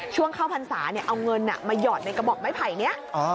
ช่วงเข้าพรรษาเอาเงินมาหยอดในกระบอกไม้ไผ่นี้